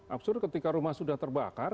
absur ketika rumah sudah terbakar